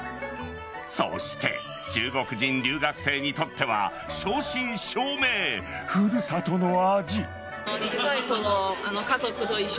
そして、中国人留学生にとっては正真正銘、古里の味。